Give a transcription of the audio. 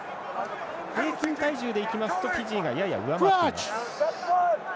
平均体重でいきますとフィジーがやや上回っています。